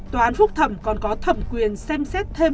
tòa án phúc thẩm còn có thẩm quyền xem xét thêm